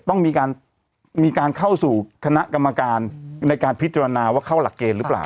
ต้องมีการเข้าสู่คณะกรรมการในการพิจารณาว่าเข้าหลักเกณฑ์หรือเปล่า